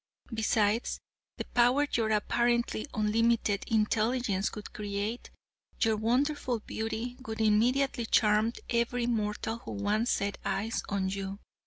Besides, the power your apparently unlimited intelligence would create, your wonderful beauty would immediately charm every mortal who once set eyes on you.